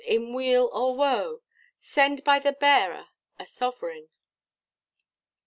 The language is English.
in weal or woe Send by the bearer a sovereign!"